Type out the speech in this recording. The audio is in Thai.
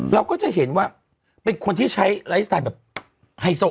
เราก็จะเห็นว่าเป็นคนที่ใช้ไลฟ์สไตล์แบบไฮโซ